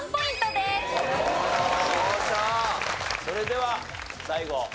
それでは最後。